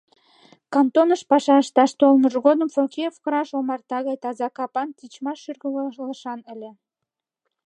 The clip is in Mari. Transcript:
Кантоныш паша ышташ толмыж годым Фокеев краж омарта гай таза капан, тичмаш шӱргывылышан ыле.